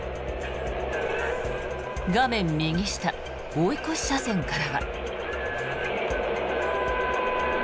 画面右下追い越し車線からは。